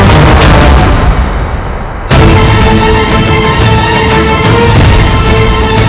tidak ada yang bisa dihukum